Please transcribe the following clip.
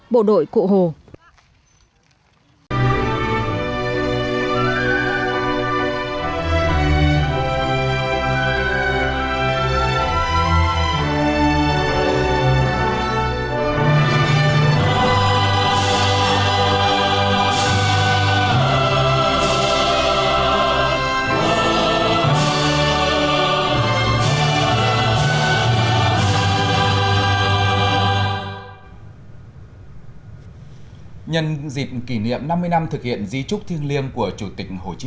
bộ đội cụ hồ